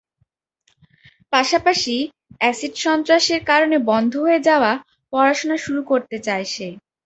পাশাপাশি অ্যাসিড-সন্ত্রাসের কারণে বন্ধ হয়ে যাওয়া পড়াশোনা শুরু করতে চায় সে।